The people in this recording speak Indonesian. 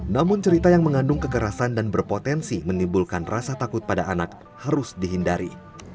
namun cerita yang mengandung kekerasan dan berpotensi menimbulkan rasa takut pada anak harus dihindari